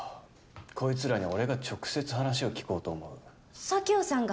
こいつらに俺が直接話を聞こうと思う佐京さんが？